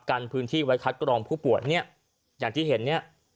กันพื้นที่ไว้คัดกรองผู้ป่วยเนี่ยอย่างที่เห็นเนี่ย